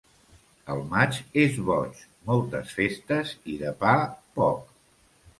El maig és boig, moltes festes i de pa poc.